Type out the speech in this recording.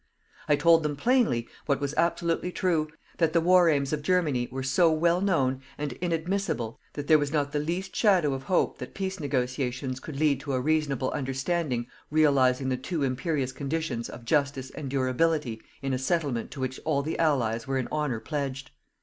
I told them plainly, what was absolutely true, that the war aims of Germany were so well known and inadmissible that there was not the least shadow of hope that peace negotiations could lead to a reasonable understanding realizing the two imperious conditions of Justice and Durability in a settlement to which all the Allies were in honour pledged.